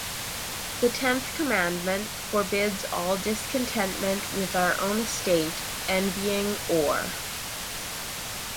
The tenth commandment forbids all discontentment with our own estate, envying or